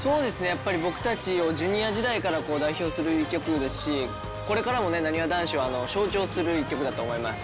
やっぱり僕たちをＪｒ．時代から代表する一曲ですしこれからもねなにわ男子を象徴する一曲だと思います」